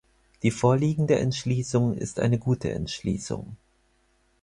Die vorliegende Entschließung ist eine gute Entschließung.